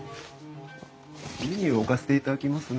メニュー置かせていただきますね。